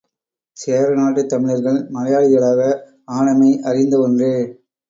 சேர நாட்டுத் தமிழர்கள் மலையாளிகளாக ஆனமை அறிந்த ஒன்றே.